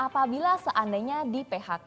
kita seandainya di phk